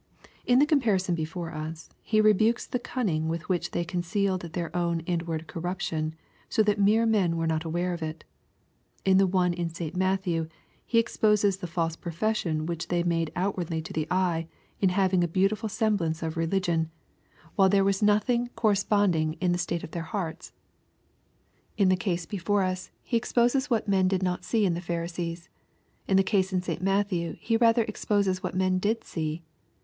In the comparison before us He rebukes the cunning with which they concealed their own inward corruption, so that men were not aware of it. — la the one in St. Matthew He exposes the false profession which they made outwardly to the eye, in having a beautiful semblance of religion^ while there was nothing 3 so EXPOSITORY THOUaHTS, corresponding in the state of their hearts. — In tlie case before ua He exposes what men did not see in the Pharisees. In the case in St. Matthew He rather exposes what men did see.